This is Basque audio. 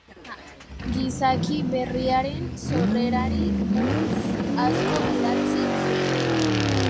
Gizaki berriaren sorrerari buruz asko idatzi zuen.